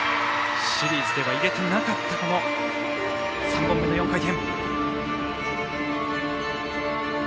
シリーズでは入れてなかった３本の４回転。